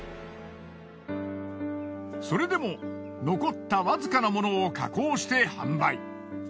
それでも残ったわずかなものを加工して販売。